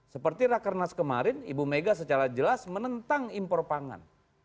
seperti rakernas kemarin ibu mega secara jelas menentang impor pangan